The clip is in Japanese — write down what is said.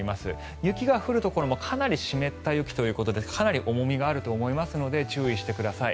雪が降るところもかなり湿った雪ということで重みがあると思いますので注意してください。